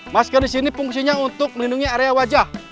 masker di sini fungsinya untuk melindungi area wajah